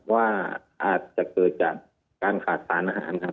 ว่าอาจจะเกิดจากการขาดสารอาหารครับ